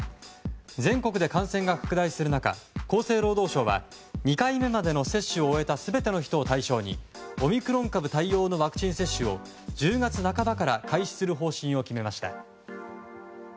全国で感染が拡大する中厚生労働省は２回目までの接種を終えた全ての人を対象にオミクロン株対応のワクチン接種を１０月半ばから開始する方針を決めました。